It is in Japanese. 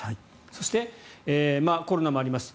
そして、コロナもあります。